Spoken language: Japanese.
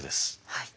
はい。